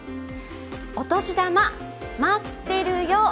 「お年玉待ってるよ」